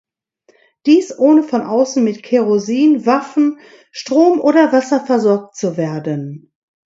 Dies ohne von außen mit Kerosin, Waffen, Strom oder Wasser versorgt zu werden.